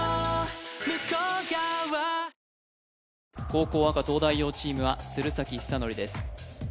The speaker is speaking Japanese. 後攻赤東大王チームは鶴崎修功です